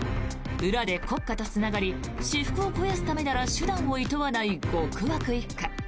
裏で国家とつながり私腹を肥やすためなら手段をいとわない極悪一家。